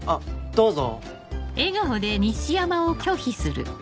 どうぞ。